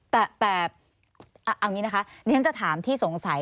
แต่เอาอย่างนี้นะคะดิฉันจะถามที่สงสัย